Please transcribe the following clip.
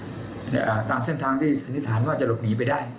แต่ตามเส้นทางมีสันิทานว่าจะหลวกหนีไปได้